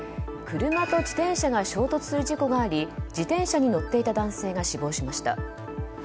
車と自転車が衝突する事故があり自転車に乗っていた男性が死亡しました。